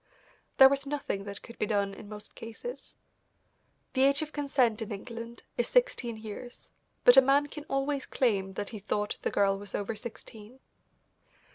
There was nothing that could be done in most cases. The age of consent in England is sixteen years, but a man can always claim that he thought the girl was over sixteen.